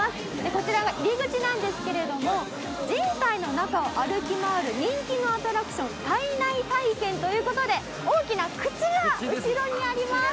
こちらが入り口なんですが人体の中を歩き回る人気アトラクション体内探検ということで大きな口が後ろにあります。